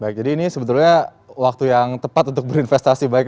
baik jadi ini sebetulnya waktu yang tepat untuk berinvestasi baik